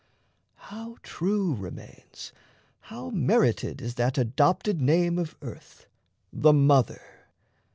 How true remains, How merited is that adopted name Of earth "The Mother!"